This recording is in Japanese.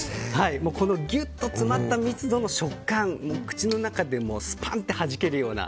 ギュッと詰まった密度の食感口の中でスパンってはじけるような。